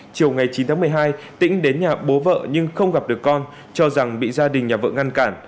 chiều ngày chín tháng một mươi hai tĩnh đến nhà bố vợ nhưng không gặp được con cho rằng bị gia đình nhà vợ ngăn cản